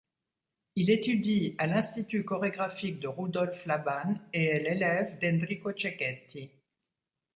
Il étudie à l'Institut chorégraphique de Rudolf Laban et est l'élève d'Enrico Cecchetti.